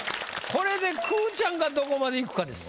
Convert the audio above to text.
これでくーちゃんがどこまでいくかです。